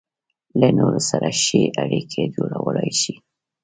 له نورو سره ښې اړيکې جوړولای شي.